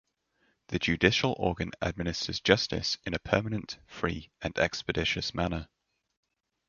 The Judicial Organ administers justice in a permanent, free, and expeditious manner.